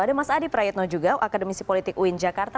ada mas adi prayetno juga akademisi politik uin jakarta